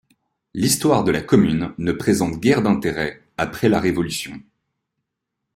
L'histoire de la commune ne présente guère d'intérêt après la Révolution.